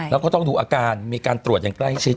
แล้วก็ต้องดูอาการมีการตรวจอย่างใกล้ชิด